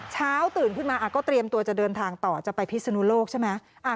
เช้าตื่นขึ้นมาก็เตรียมตัวจะเดินทางต่อจะไปพิศนุโลกใช่ไหม